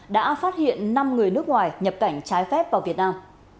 đã phát hiện năm người nước ngoài nhập cảnh trái phép vào việt nam